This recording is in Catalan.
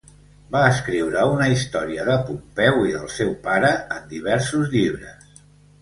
Va escriure una història de Pompeu i del seu pare en diversos llibres.